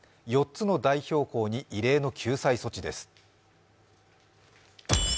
４つの代表校に異例の救済措置です